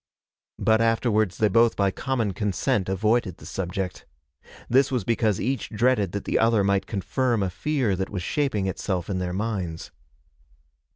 But afterwards they both by common consent avoided the subject. This was because each dreaded that the other might confirm a fear that was shaping itself in their minds.